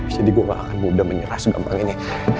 jadi gue gak akan mudah menyerah segampang ini